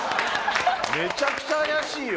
めちゃくちゃ怪しいよ。